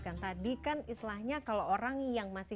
gak baik kembali kembalikan kembali